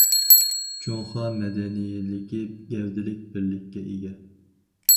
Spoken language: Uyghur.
جۇڭخۇا مەدەنىيلىكى گەۋدىلىك بىرلىككە ئىگە.